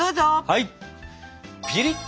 はい！